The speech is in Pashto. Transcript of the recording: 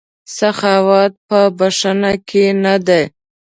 سخاوت په بښنه کې نه دی.